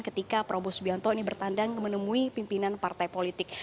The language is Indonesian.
ketika prabowo subianto ini bertandang menemui pimpinan partai politik